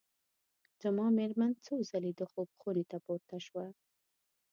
زما مېرمن څو ځلي د خوب خونې ته پورته شوه.